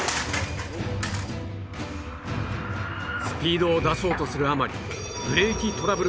スピードを出そうとするあまり